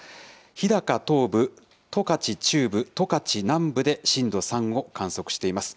日高東部、十勝中部、十勝南部で震度３を観測しています。